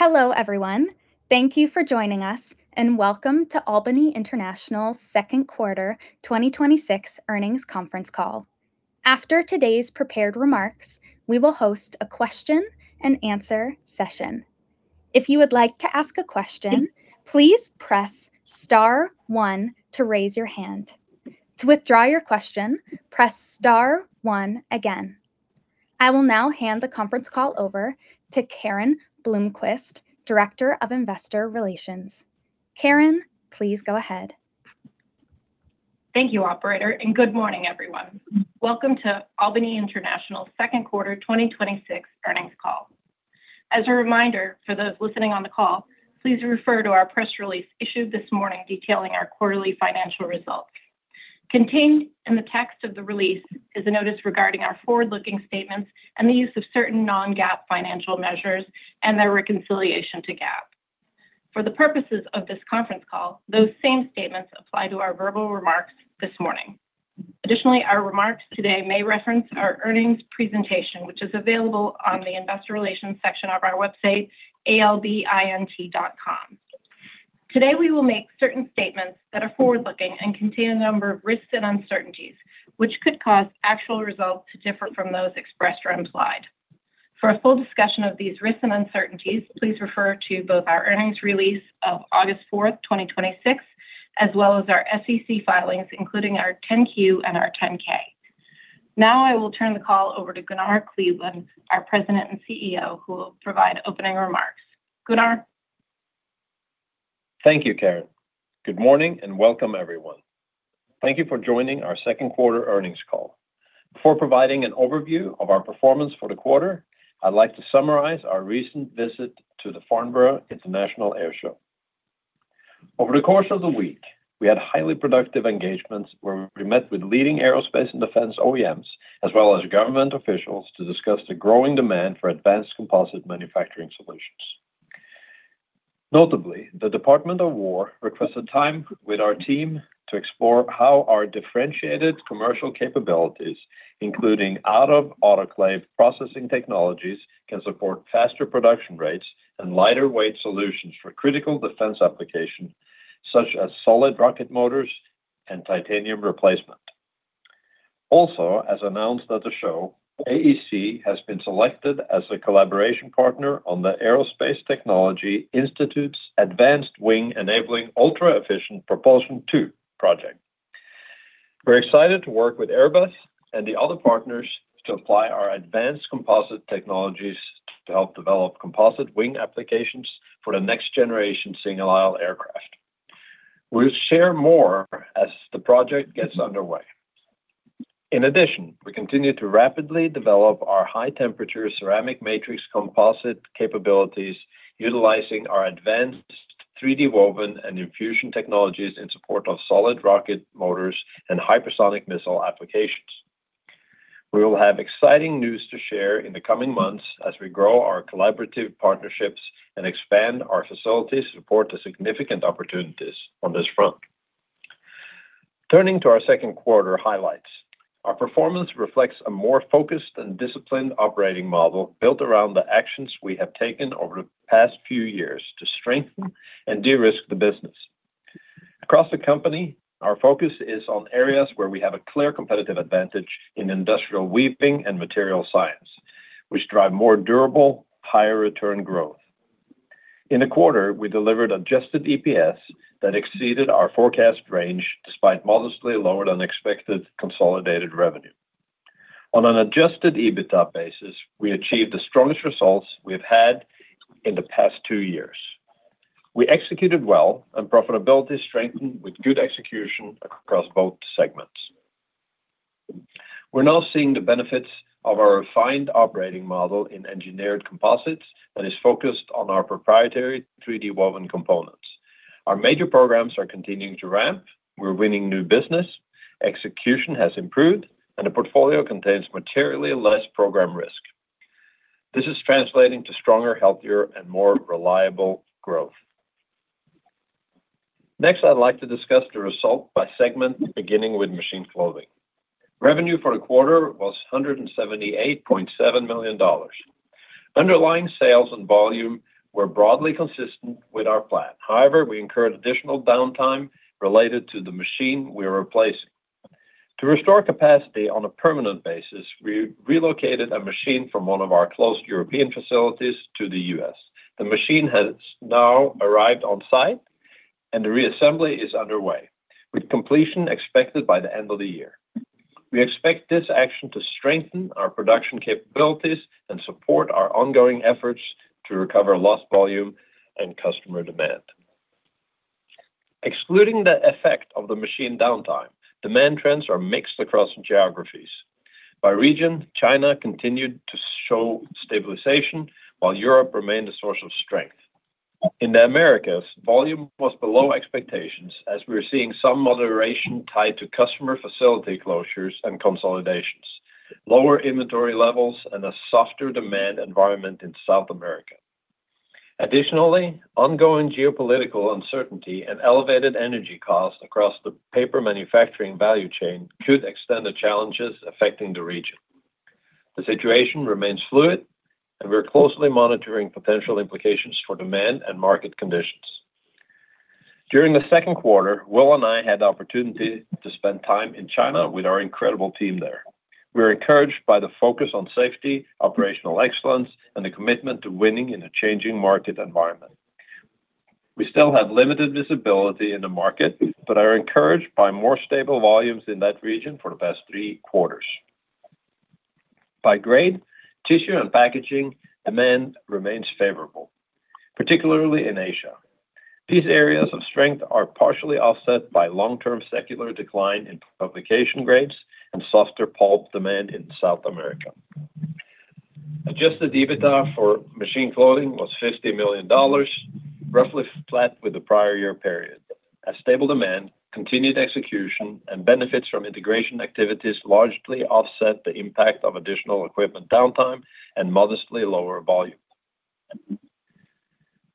Hello, everyone. Thank you for joining us, and welcome to Albany International's second quarter 2026 earnings conference call. After today's prepared remarks, we will host a question and answer session. If you would like to ask a question, please press star one to raise your hand. To withdraw your question, press star one again. I will now hand the conference call over to Karen Blomquist, Director of Investor Relations. Karen, please go ahead. Thank you, operator. Good morning, everyone. Welcome to Albany International's second quarter 2026 earnings call. As a reminder for those listening on the call, please refer to our press release issued this morning detailing our quarterly financial results. Contained in the text of the release is a notice regarding our forward-looking statements and the use of certain non-GAAP financial measures and their reconciliation to GAAP. For the purposes of this conference call, those same statements apply to our verbal remarks this morning. Additionally, our remarks today may reference our earnings presentation, which is available on the Investor Relations section of our website, albint.com. Today, we will make certain statements that are forward-looking and contain a number of risks and uncertainties which could cause actual results to differ from those expressed or implied. For a full discussion of these risks and uncertainties, please refer to both our earnings release of August 4th, 2026, as well as our SEC filings, including our 10-Q and our 10-K. Now I will turn the call over to Gunnar Kleveland, our President and CEO, who will provide opening remarks. Gunnar? Thank you, Karen. Good morning and welcome, everyone. Thank you for joining our second quarter earnings call. Before providing an overview of our performance for the quarter, I'd like to summarize our recent visit to the Farnborough International Airshow. Over the course of the week, we had highly productive engagements where we met with leading aerospace and defense OEMs, government officials to discuss the growing demand for advanced composite manufacturing solutions. Notably, the Department of Defense requested time with our team to explore how our differentiated commercial capabilities, including out-of-autoclave processing technologies, can support faster production rates and lighter-weight solutions for critical defense applications such as solid rocket motors and titanium replacement. Also, as announced at the show, AEC has been selected as the collaboration partner on the Aerospace Technology Institute's Advanced Wing Enabling Ultra-Efficient Propulsion 2 project. We're excited to work with Airbus and the other partners to apply our advanced composite technologies to help develop composite wing applications for the next generation single-aisle aircraft. We'll share more as the project gets underway. In addition, we continue to rapidly develop our high-temperature ceramic matrix composite capabilities utilizing our advanced 3D woven and infusion technologies in support of solid rocket motors and hypersonic missile applications. We will have exciting news to share in the coming months as we grow our collaborative partnerships and expand our facilities to support the significant opportunities on this front. Turning to our second quarter highlights. Our performance reflects a more focused and disciplined operating model built around the actions we have taken over the past few years to strengthen and de-risk the business. Across the company, our focus is on areas where we have a clear competitive advantage in industrial weaving and material science, which drive more durable, higher return growth. In the quarter, we delivered Adjusted EPS that exceeded our forecast range, despite modestly lower than expected consolidated revenue. On an Adjusted EBITDA basis, we achieved the strongest results we've had in the past two years. We executed well, and profitability strengthened with good execution across both segments. We're now seeing the benefits of our refined operating model in Albany Engineered Composites that is focused on our proprietary 3D woven components. Our major programs are continuing to ramp, we're winning new business, execution has improved, and the portfolio contains materially less program risk. This is translating to stronger, healthier, and more reliable growth. Next, I'd like to discuss the results by segment, beginning with Machine Clothing. Revenue for the quarter was $178.7 million. Underlying sales and volume were broadly consistent with our plan. We incurred additional downtime related to the machine we are replacing. To restore capacity on a permanent basis, we relocated a machine from one of our closed European facilities to the U.S. The machine has now arrived on-site and the reassembly is underway, with completion expected by the end of the year. We expect this action to strengthen our production capabilities and support our ongoing efforts to recover lost volume and customer demand. Excluding the effect of the machine downtime, demand trends are mixed across geographies. By region, China continued to show stabilization, while Europe remained a source of strength. In the Americas, volume was below expectations as we're seeing some moderation tied to customer facility closures and consolidations, lower inventory levels, and a softer demand environment in South America. Ongoing geopolitical uncertainty and elevated energy costs across the paper manufacturing value chain could extend the challenges affecting the region. The situation remains fluid, and we're closely monitoring potential implications for demand and market conditions. During the second quarter, Will and I had the opportunity to spend time in China with our incredible team there. We're encouraged by the focus on safety, operational excellence, and the commitment to winning in a changing market environment. We still have limited visibility in the market, but are encouraged by more stable volumes in that region for the past three quarters. By grade, tissue, and packaging, demand remains favorable, particularly in Asia. These areas of strength are partially offset by long-term secular decline in publication grades and softer pulp demand in South America. Adjusted EBITDA for Machine Clothing was $50 million, roughly flat with the prior year period.S A stable demand, continued execution, and benefits from integration activities largely offset the impact of additional equipment downtime and modestly lower volume.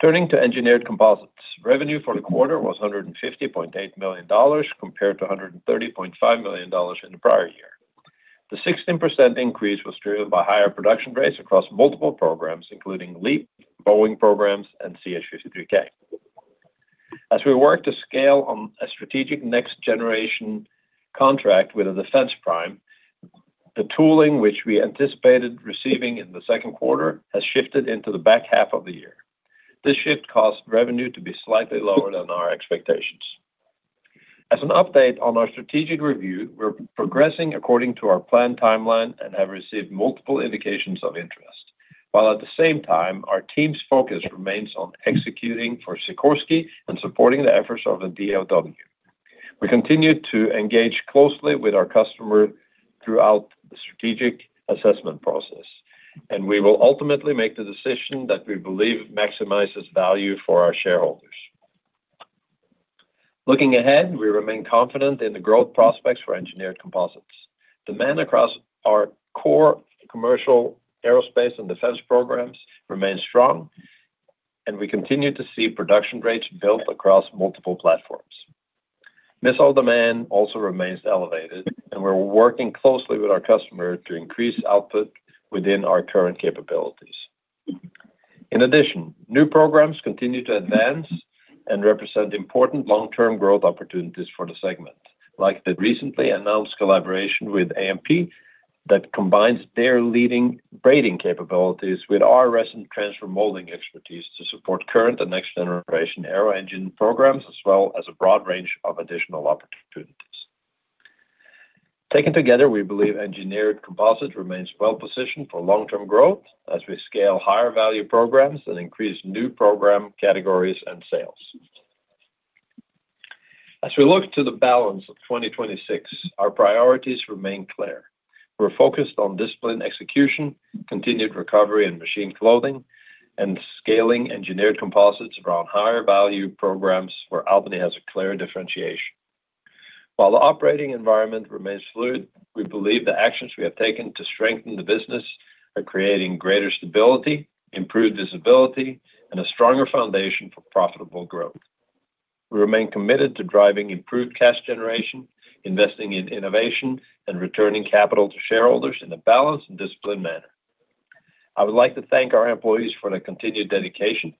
Turning to Engineered Composites. Revenue for the quarter was $150.8 million, compared to $130.5 million in the prior year. The 16% increase was driven by higher production rates across multiple programs, including LEAP, Boeing programs, and CH-53K. As we work to scale on a strategic next generation contract with a defense prime, the tooling which we anticipated receiving in the second quarter has shifted into the back half of the year. This shift caused revenue to be slightly lower than our expectations. As an update on our strategic review, we are progressing according to our planned timeline and have received multiple indications of interest. While at the same time, our team's focus remains on executing for Sikorsky and supporting the efforts of the DoD. We continue to engage closely with our customer throughout the strategic assessment process. We will ultimately make the decision that we believe maximizes value for our shareholders. Looking ahead, we remain confident in the growth prospects for Engineered Composites. Demand across our core commercial aerospace and defense programs remains strong. We continue to see production rates built across multiple platforms. Missile demand also remains elevated. We are working closely with our customer to increase output within our current capabilities. In addition, new programs continue to advance and represent important long-term growth opportunities for the segment, like the recently announced collaboration with A&P Technology that combines their leading braiding capabilities with our resin transfer molding expertise to support current and next generation aero-engine programs, as well as a broad range of additional opportunities. Taken together, we believe Engineered Composites remains well-positioned for long-term growth as we scale higher value programs and increase new program categories and sales. As we look to the balance of 2026, our priorities remain clear. We are focused on disciplined execution, continued recovery in Machine Clothing, and scaling Engineered Composites around higher value programs where Albany has a clear differentiation. While the operating environment remains fluid, we believe the actions we have taken to strengthen the business are creating greater stability, improved visibility, and a stronger foundation for profitable growth. We remain committed to driving improved cash generation, investing in innovation, and returning capital to shareholders in a balanced and disciplined manner. I would like to thank our employees for their continued dedication,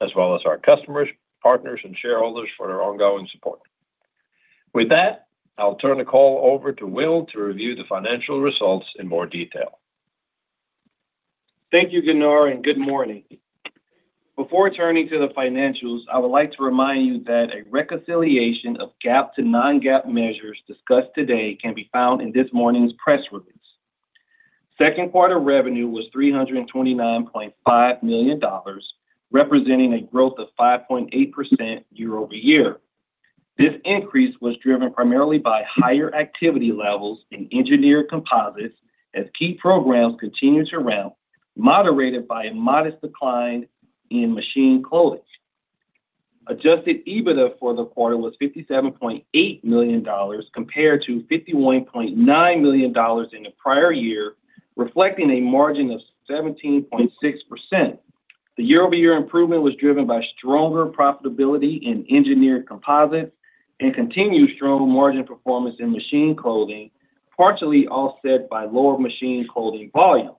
as well as our customers, partners, and shareholders for their ongoing support. With that, I will turn the call over to Will to review the financial results in more detail. Thank you, Gunnar, and good morning. Before turning to the financials, I would like to remind you that a reconciliation of GAAP to non-GAAP measures discussed today can be found in this morning's press release. Second quarter revenue was $329.5 million, representing a growth of 5.8% year-over-year. This increase was driven primarily by higher activity levels in Engineered Composites as key programs continue to ramp, moderated by a modest decline in Machine Clothing. Adjusted EBITDA for the quarter was $57.8 million, compared to $51.9 million in the prior year, reflecting a margin of 17.6%. The year-over-year improvement was driven by stronger profitability in Engineered Composites and continued strong margin performance in Machine Clothing, partially offset by lower Machine Clothing volumes.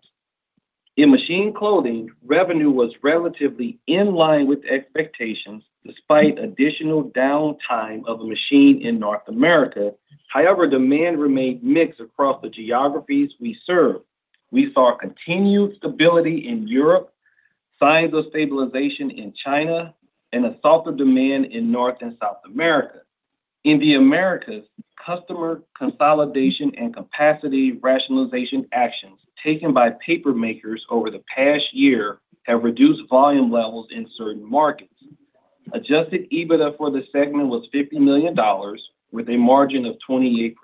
In Machine Clothing, revenue was relatively in line with expectations, despite additional downtime of a machine in North America. Demand remained mixed across the geographies we serve. We saw continued stability in Europe, signs of stabilization in China, and a softer demand in North and South America. In the Americas, customer consolidation and capacity rationalization actions taken by paper makers over the past year have reduced volume levels in certain markets. Adjusted EBITDA for the segment was $50 million, with a margin of 28%.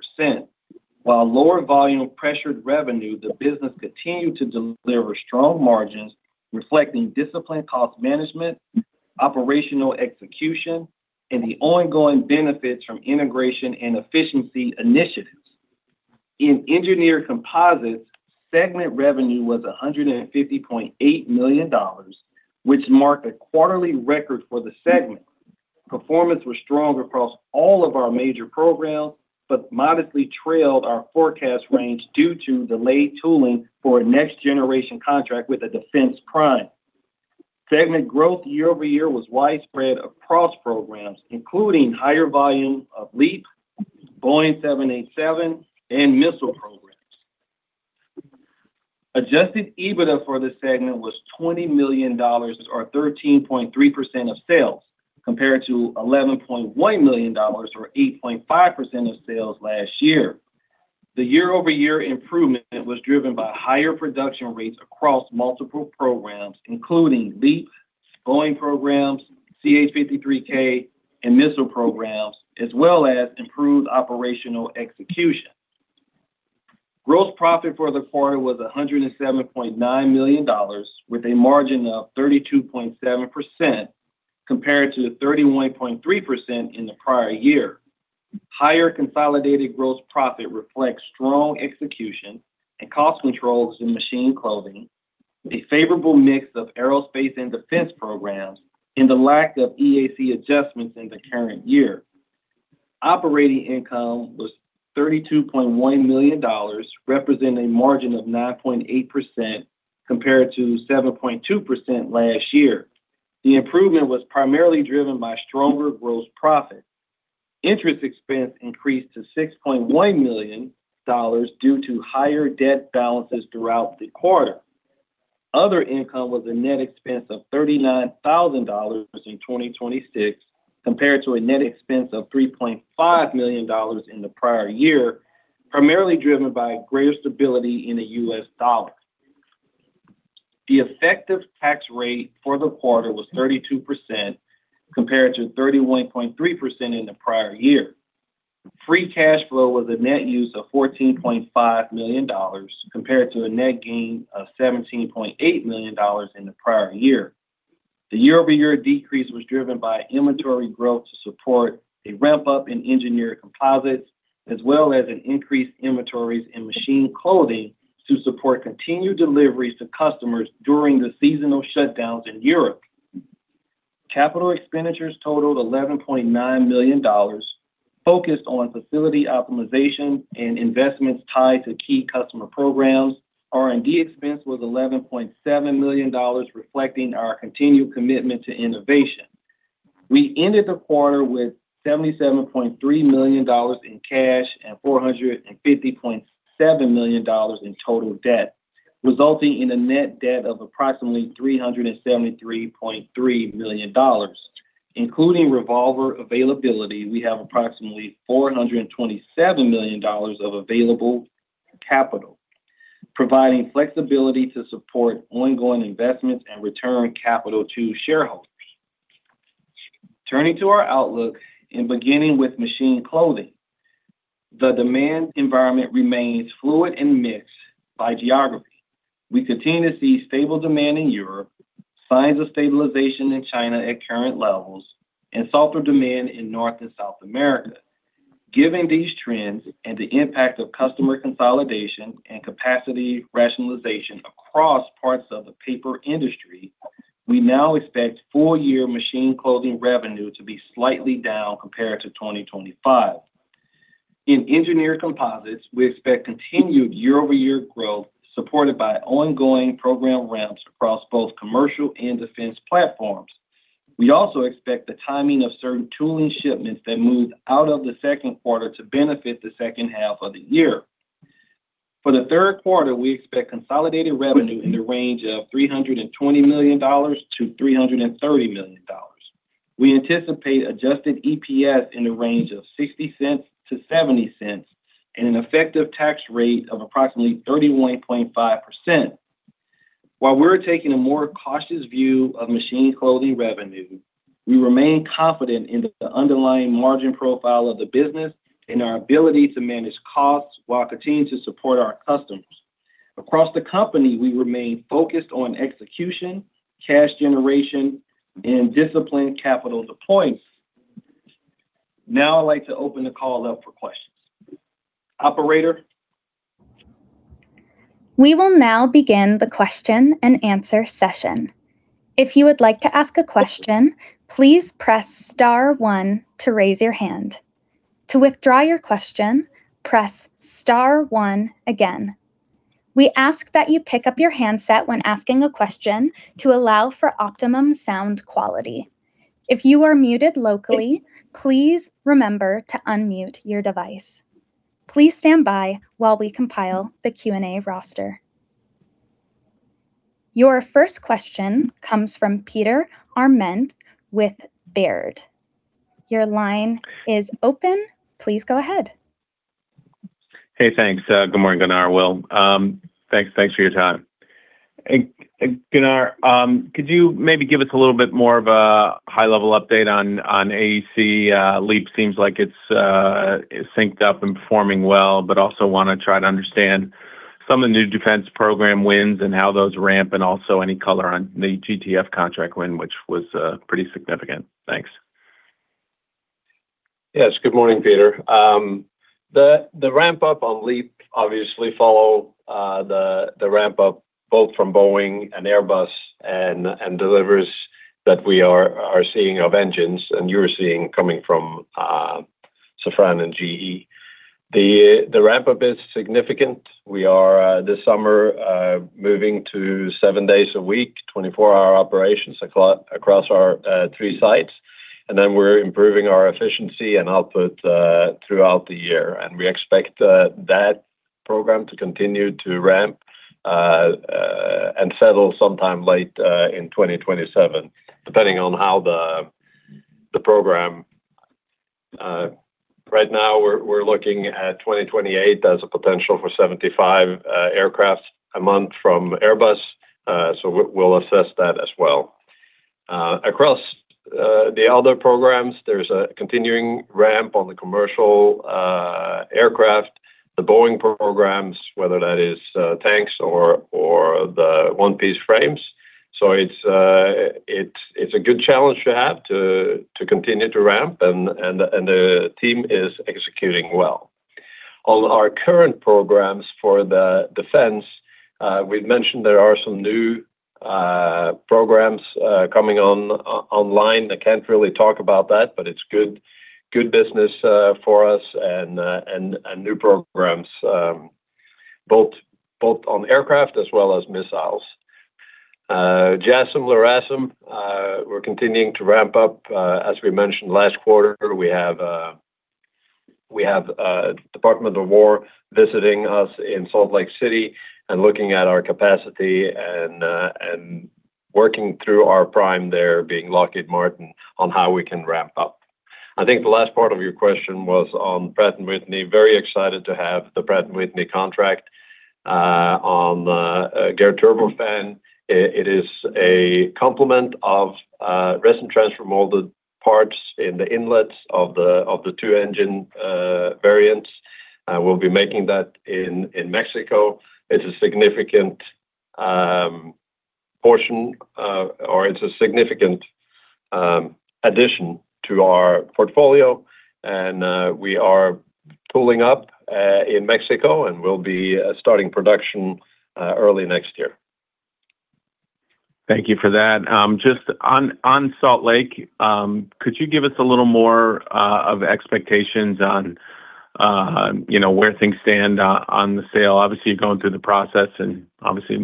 While lower volume pressured revenue, the business continued to deliver strong margins, reflecting disciplined cost management, operational execution, and the ongoing benefits from integration and efficiency initiatives. In Engineered Composites, segment revenue was $150.8 million, which marked a quarterly record for the segment. Performance was strong across all of our major programs, but modestly trailed our forecast range due to delayed tooling for a next generation contract with a defense prime. Segment growth year-over-year was widespread across programs, including higher volume of LEAP, Boeing 787, and missile programs. Adjusted EBITDA for the segment was $20 million, or 13.3% of sales, compared to $11.1 million, or 8.5% of sales last year. The year-over-year improvement was driven by higher production rates across multiple programs, including LEAP, Boeing programs, CH-53K, and missile programs, as well as improved operational execution. Gross profit for the quarter was $107.9 million, with a margin of 32.7%, compared to the 31.3% in the prior year. Higher consolidated gross profit reflects strong execution and cost controls in Machine Clothing, a favorable mix of aerospace and defense programs, and the lack of EAC adjustments in the current year. Operating income was $32.1 million, representing a margin of 9.8%, compared to 7.2% last year. The improvement was primarily driven by stronger gross profit. Interest expense increased to $6.1 million due to higher debt balances throughout the quarter. Other income was a net expense of $39,000 in 2026, compared to a net expense of $3.5 million in the prior year, primarily driven by greater stability in the US dollar. The effective tax rate for the quarter was 32%, compared to 31.3% in the prior year. Free cash flow was a net use of $14.5 million, compared to a net gain of $17.8 million in the prior year. The year-over-year decrease was driven by inventory growth to support a ramp-up in Engineered Composites, as well as an increased inventories in Machine Clothing to support continued deliveries to customers during the seasonal shutdowns in Europe. Capital expenditures totaled $11.9 million, focused on facility optimization and investments tied to key customer programs. R&D expense was $11.7 million, reflecting our continued commitment to innovation. We ended the quarter with $77.3 million in cash and $450.7 million in total debt, resulting in a net debt of approximately $373.3 million. Including revolver availability, we have approximately $427 million of available capital, providing flexibility to support ongoing investments and return capital to shareholders. Turning to our outlook and beginning with Machine Clothing. The demand environment remains fluid and mixed by geography. We continue to see stable demand in Europe, signs of stabilization in China at current levels, and softer demand in North and South America. Given these trends and the impact of customer consolidation and capacity rationalization across parts of the paper industry, we now expect full-year Machine Clothing revenue to be slightly down compared to 2025. In Engineered Composites, we expect continued year-over-year growth supported by ongoing program ramps across both commercial and defense platforms. We also expect the timing of certain tooling shipments that moved out of the second quarter to benefit the second half of the year. For the third quarter, we expect consolidated revenue in the range of $320 million-$330 million. We anticipate Adjusted EPS in the range of $0.60-$0.70, and an effective tax rate of approximately 31.5%. While we're taking a more cautious view of Machine Clothing revenue, we remain confident in the underlying margin profile of the business and our ability to manage costs while continuing to support our customers. Now I'd like to open the call up for questions. Operator? We will now begin the question and answer session. If you would like to ask a question, please press star one to raise your hand. To withdraw your question, press star one again. We ask that you pick up your handset when asking a question to allow for optimum sound quality. If you are muted locally, please remember to unmute your device. Please stand by while we compile the Q&A roster. Your first question comes from Peter Arment with Baird. Your line is open. Please go ahead. Thanks. Good morning, Gunnar, Will. Thanks for your time. Gunnar, could you maybe give us a little bit more of a high-level update on AEC? LEAP seems like it's synced up and performing well, but also want to try to understand some of the new defense program wins and how those ramp, and also any color on the GTF contract win, which was pretty significant. Thanks. Yes. Good morning, Peter. The ramp-up on LEAP obviously follows the ramp-up both from Boeing and Airbus and delivers what we are seeing of engines you're seeing coming from Safran and GE. The ramp-up is significant. We are, this summer, moving to seven days a week, 24-hour operations across our three sites. We're improving our efficiency and output throughout the year. We expect that program to continue to ramp and settle sometime late in 2027, depending on how the program. Right now, we're looking at 2028 as a potential for 75 aircraft a month from Airbus. We'll assess that as well. Across the other programs, there's a continuing ramp on the commercial aircraft, the Boeing programs, whether that is tanks or the one-piece frames. It's a good challenge to have to continue to ramp and the team is executing well. On our current programs for the defense, we've mentioned there are some new programs coming online. I can't really talk about that, but it's good business for us and new programs both on aircraft as well as missiles. JASSM, LRASM, we're continuing to ramp up. As we mentioned last quarter, we have Department of Defense visiting us in Salt Lake City and looking at our capacity and working through our prime there, being Lockheed Martin, on how we can ramp up. I think the last part of your question was on Pratt & Whitney. Very excited to have the Pratt & Whitney contract on the Geared Turbofan. It is a complement of resin transfer molded parts in the inlets of the two-engine variants. We'll be making that in Mexico. It's a significant portion, or it's a significant addition to our portfolio. We are pulling up in Mexico, and we'll be starting production early next year. Thank you for that. Just on Salt Lake, could you give us a little more of expectations on where things stand on the sale? Obviously, you're going through the process, and obviously,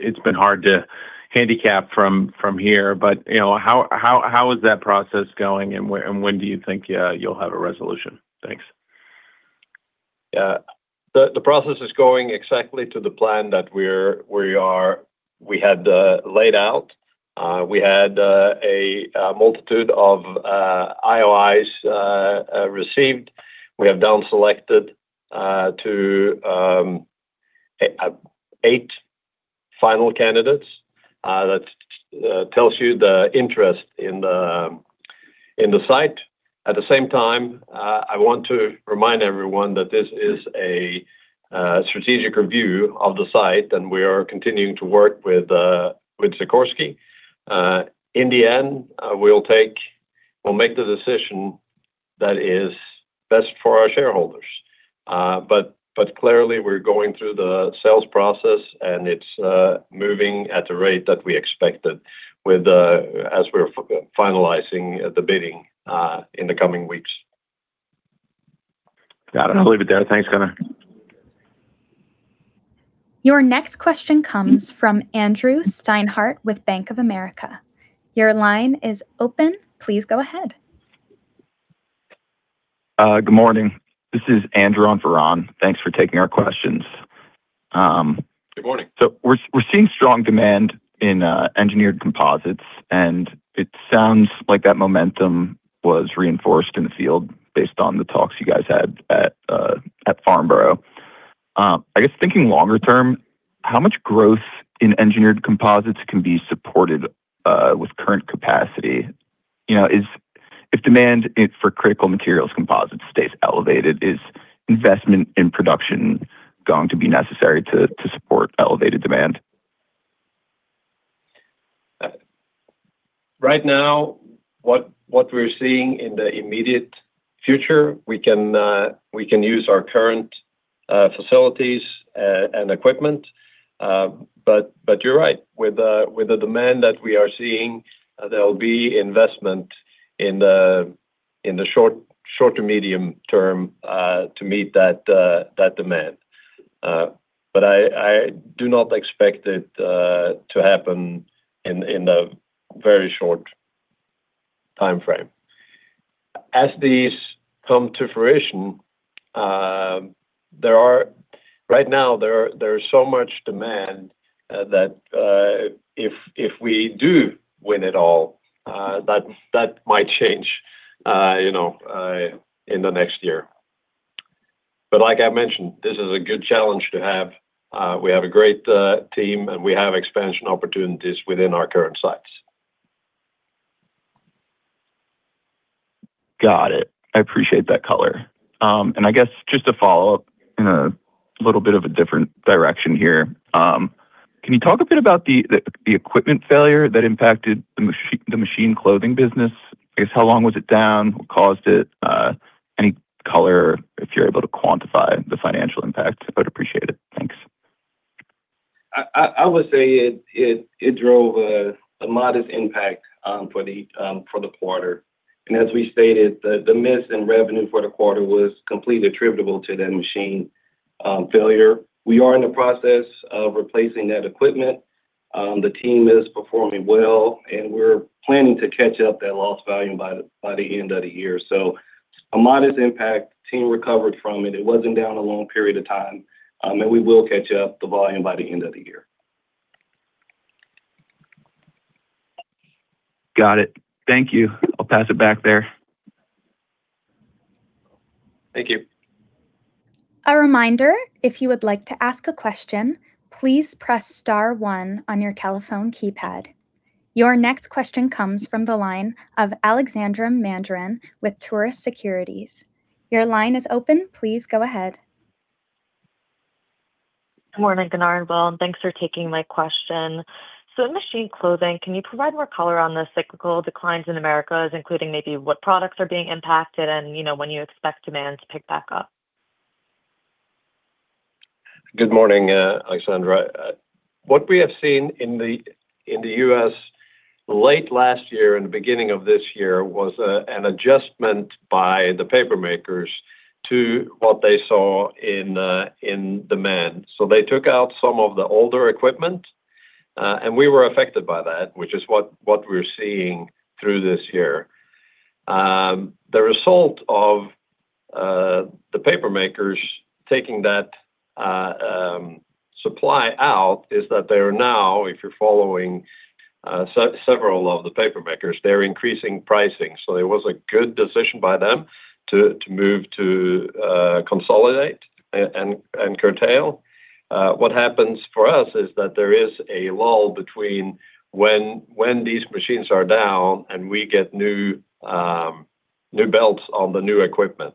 it's been hard to handicap from here. How is that process going, and when do you think you'll have a resolution? Thanks. The process is going exactly to the plan that we had laid out. We had a multitude of IOIs received. We have down-selected to eight final candidates. That tells you the interest in the site. At the same time, I want to remind everyone that this is a strategic review of the site, and we are continuing to work with Sikorsky. In the end, we'll make the decision that is best for our shareholders. Clearly, we're going through the sales process, and it's moving at the rate that we expected as we're finalizing the bidding in the coming weeks. Got it. I'll leave it there. Thanks, Gunnar. Your next question comes from Andrew Siena with Bank of America. Your line is open. Please go ahead. Good morning. This is Andrew on for Ron. Thanks for taking our questions. Good morning. We're seeing strong demand in Engineered Composites, and it sounds like that momentum was reinforced in the field based on the talks you guys had at Farnborough. I guess, thinking longer term, how much growth in Engineered Composites can be supported with current capacity? If demand for critical materials composites stays elevated, is investment in production going to be necessary to support elevated demand? Right now, what we're seeing in the immediate future, we can use our current facilities and equipment. You're right. With the demand that we are seeing, there'll be investment in the short to medium term to meet that demand. I do not expect it to happen in a very short timeframe. As these come to fruition, right now, there is so much demand that if we do win it all, that might change in the next year. Like I mentioned, this is a good challenge to have. We have a great team, and we have expansion opportunities within our current sites. Got it. I appreciate that color. I guess, just to follow up in a little bit of a different direction here. Can you talk a bit about the equipment failure that impacted the Machine Clothing business? I guess, how long was it down? What caused it? Any color, if you're able to quantify the financial impact, I would appreciate it. Thanks. I would say it drove a modest impact for the quarter. As we stated, the miss in revenue for the quarter was completely attributable to that machine failure. We are in the process of replacing that equipment. The team is performing well, and we're planning to catch up that lost volume by the end of the year. A modest impact. Team recovered from it. It wasn't down a long period of time. We will catch up the volume by the end of the year. Got it. Thank you. I'll pass it back there. Thank you. A reminder, if you would like to ask a question, please press star one on your telephone keypad. Your next question comes from the line of Alexandra Mandery with Truist Securities. Your line is open. Please go ahead. Good morning, Gunnar and Will, and thanks for taking my question. In Machine Clothing, can you provide more color on the cyclical declines in Americas, including maybe what products are being impacted and when you expect demand to pick back up? Good morning, Alexandra. What we have seen in the U.S. late last year and the beginning of this year was an adjustment by the paper makers to what they saw in demand. They took out some of the older equipment, and we were affected by that, which is what we're seeing through this year. The result of the paper makers taking that supply out is that they are now, if you're following several of the paper makers, they're increasing pricing. It was a good decision by them to move to consolidate and curtail. What happens for us is that there is a lull between when these machines are down and we get new belts on the new equipment.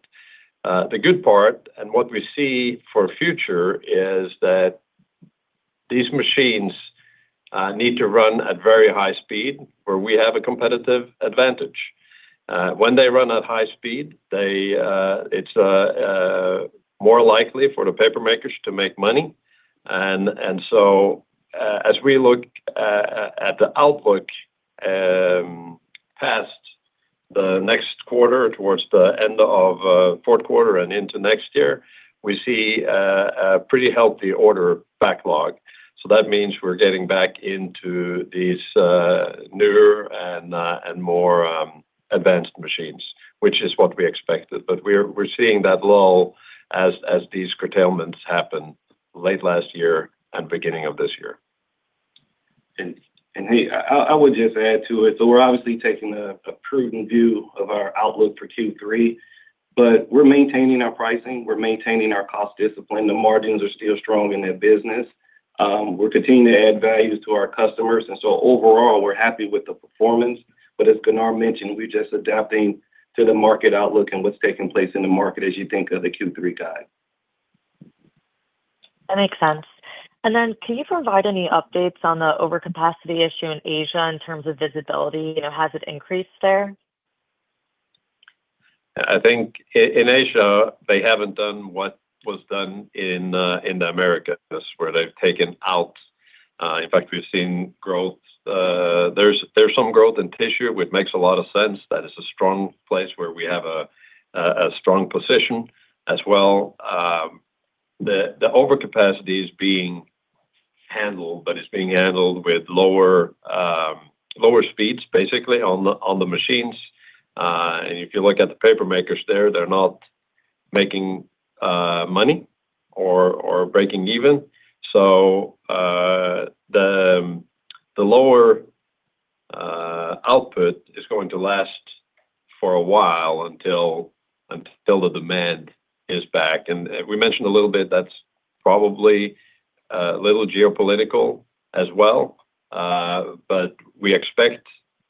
The good part, and what we see for future, is that these machines need to run at very high speed, where we have a competitive advantage. When they run at high speed, it's more likely for the paper makers to make money. As we look at the outlook past the next quarter, towards the end of fourth quarter and into next year, we see a pretty healthy order backlog. That means we're getting back into these newer and more advanced machines, which is what we expected. We're seeing that lull as these curtailments happened late last year and beginning of this year. Hey, I would just add to it, we're obviously taking a prudent view of our outlook for Q3. We're maintaining our pricing. We're maintaining our cost discipline. The margins are still strong in that business. We're continuing to add values to our customers, overall, we're happy with the performance. As Gunnar mentioned, we're just adapting to the market outlook and what's taking place in the market as you think of the Q3 guide. Can you provide any updates on the overcapacity issue in Asia in terms of visibility? Has it increased there? I think in Asia, they haven't done what was done in the Americas. In fact, we've seen growth. There's some growth in tissue, which makes a lot of sense. That is a strong place where we have a strong position as well. The overcapacity is being handled, but it's being handled with lower speeds, basically, on the machines. If you look at the paper makers there, they're not making money or breaking even. The lower output is going to last for a while until the demand is back. We mentioned a little bit, that's probably a little geopolitical as well. We expect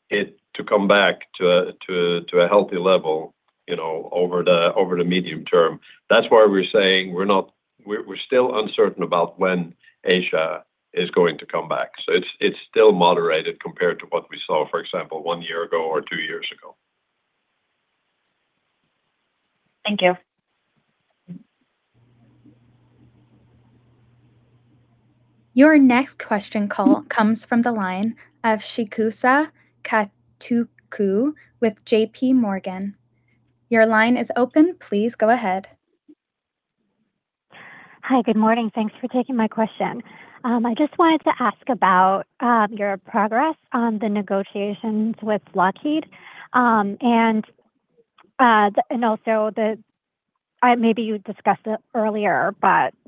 it to come back to a healthy level over the medium term. That's why we're saying we're still uncertain about when Asia is going to come back. It's still moderated compared to what we saw, for example, one year ago or two years ago. Thank you. Your next question call comes from the line of Chigusa Katoku with JPMorgan. Your line is open. Please go ahead. Hi. Good morning. Thanks for taking my question. I just wanted to ask about your progress on the negotiations with Lockheed. Also, maybe you had discussed it earlier,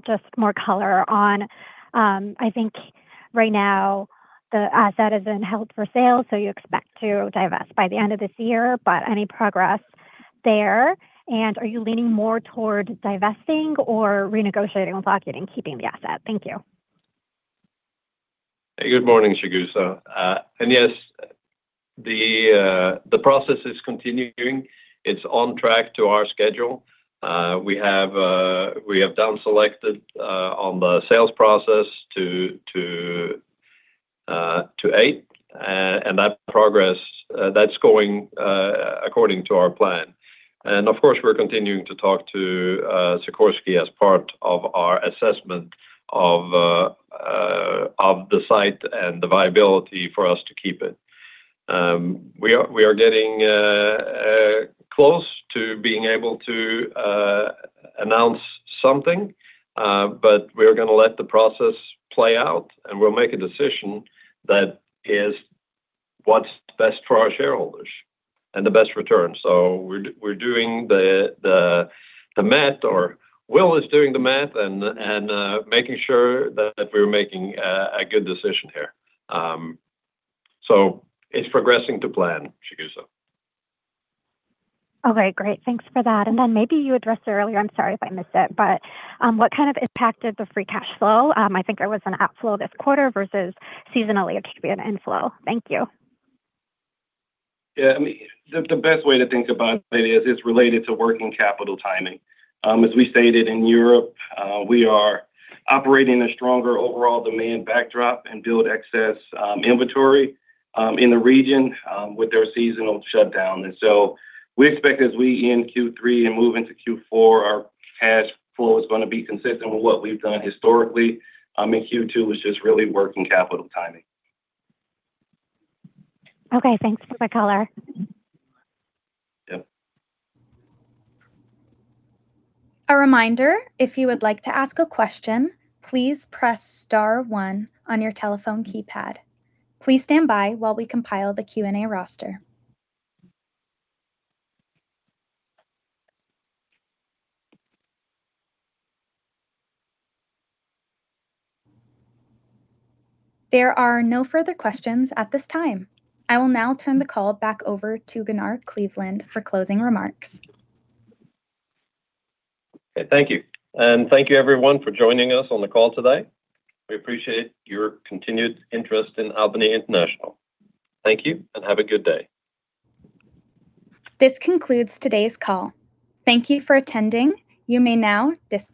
just more color on, I think right now the asset is in held for sale, you expect to divest by the end of this year, any progress there? Are you leaning more toward divesting or renegotiating with Lockheed and keeping the asset? Thank you. Hey, good morning, Chigusa. Yes, the process is continuing. It's on track to our schedule. We have down-selected on the sales process to eight. That progress, that's going according to our plan. Of course, we're continuing to talk to Sikorsky as part of our assessment of the site and the viability for us to keep it. We are getting close to being able to announce something, we're going to let the process play out, we'll make a decision that is what's best for our shareholders and the best return. We're doing the math, or Will is doing the math, making sure that we're making a good decision here. It's progressing to plan, Chigusa. Okay, great. Thanks for that. Then maybe you addressed it earlier, I'm sorry if I missed it, what kind of impact did the free cash flow, I think there was an outflow this quarter versus seasonally it should be an inflow. Thank you. Yeah. The best way to think about it is it's related to working capital timing. As we stated, in Europe, we are operating a stronger overall demand backdrop and build excess inventory in the region with their seasonal shutdown. We expect as we end Q3 and move into Q4, our cash flow is going to be consistent with what we've done historically, and Q2 was just really working capital timing. Okay, thanks for the color. Yep. A reminder, if you would like to ask a question, please press star one on your telephone keypad. Please stand by while we compile the Q&A roster. There are no further questions at this time. I will now turn the call back over to Gunnar Kleveland for closing remarks. Okay, thank you. Thank you, everyone, for joining us on the call today. We appreciate your continued interest in Albany International. Thank you, and have a good day. This concludes today's call. Thank you for attending. You may now disconnect.